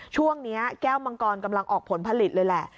ช่วงนี้แก้วมังกรกำลังออกผลผลิตเลยแหละ